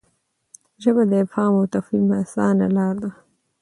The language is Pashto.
ژبه د افهام او تفهیم اسانه لار ده.